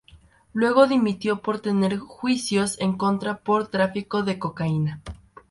Luego dimitió, por tener juicios en contra por tráfico de cocaína.